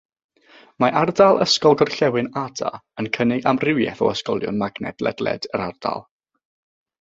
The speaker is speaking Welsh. Mae Ardal Ysgol Gorllewin Ada yn cynnig amrywiaeth o ysgolion magnet ledled yr ardal.